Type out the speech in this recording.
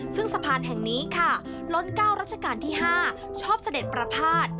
ซึ่งสะพานแห่งนี้ค่ะล้น๙รัชกาลที่๕ชอบเสด็จประพาท